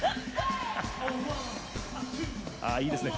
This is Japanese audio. あいいですね。